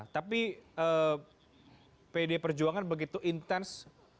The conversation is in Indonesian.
tapi pdi perjuangan begitu intens